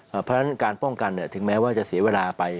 เพราะฉะนั้นการป้องกันถึงแม้ว่าจะเสียเวลาไป